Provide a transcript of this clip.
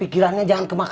ini gantiin nenek